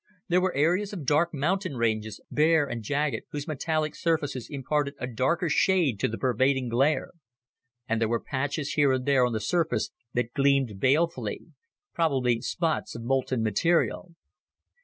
There were areas of dark mountain ranges, bare and jagged, whose metallic surfaces imparted a darker shade to the pervading glare. And there were patches here and there on the surface that gleamed balefully probably spots of molten material.